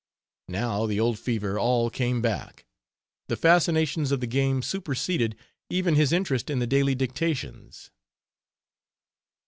Now the old fever all came back; the fascinations of the game superseded even his interest in the daily dictations.